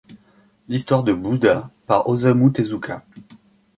L'histoire de Bouddha par Osamu Tezuka.